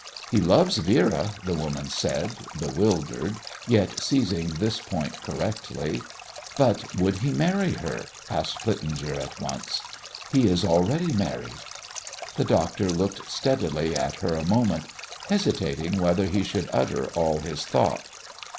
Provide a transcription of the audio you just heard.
"He loves Vera," the woman said, bewildered, yet seizing this point correctly. "But would he marry her?" asked Plitzinger at once. "He is already married." The doctor looked steadily at her a moment, hesitating whether he should utter all his thought.